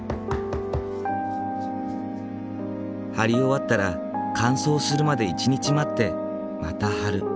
貼り終わったら乾燥するまで１日待ってまた貼る。